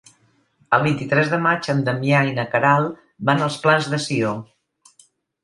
El vint-i-tres de maig en Damià i na Queralt van als Plans de Sió.